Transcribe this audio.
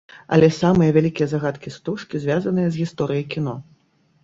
Але самыя вялікія загадкі стужкі звязаныя з гісторыяй кіно.